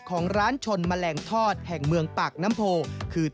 ของร้านชนแมลงทอดแห่งเมืองปากน้ำโพคือ